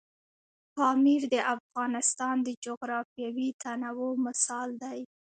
پامیر د افغانستان د جغرافیوي تنوع مثال دی.